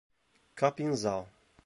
Capinzal